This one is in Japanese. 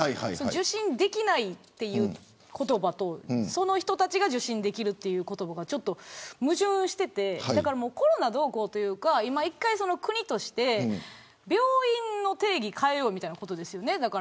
受診できないという言葉とその人たちが受診できるという言葉がちょっと矛盾していてコロナどうこうじゃなくて１回、国として病院の定義変えようということですよね。